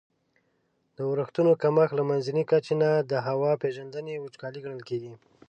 د اورښتونو کمښت له منځني کچي نه د هوا پیژندني وچکالي ګڼل کیږي.